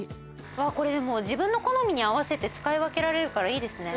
うわあこれでも自分の好みに合わせて使い分けられるからいいですね。